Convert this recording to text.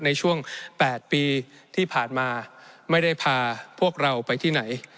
ในช่วง๘ปีที่ผ่านมาไม่ได้พาพวกเราไปที่ไหน